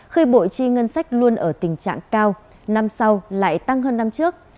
khơi bội chi ngân sách luôn ở tình trạng cao năm sau lại tăng hơn năm trước